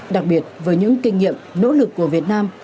đặc biệt với những kinh nghiệm nỗ lực của việt nam